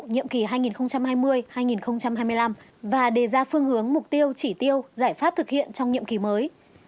nhiệm kỳ hai nghìn hai mươi hai nghìn hai mươi năm và đề ra phương hướng mục tiêu chỉ tiêu giải pháp thực hiện trong nhiệm kỳ mới